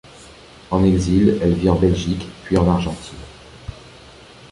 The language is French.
En exil, elle vit en Belgique, puis en Argentine.